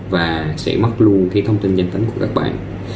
và sẽ mất luôn cái thông tin nhắn